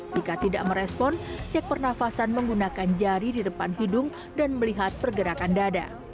jika tidak merespon cek pernafasan menggunakan jari di depan hidung dan melihat pergerakan dada